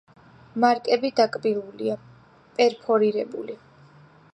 მარკები დაკბილულია, პერფორირებული.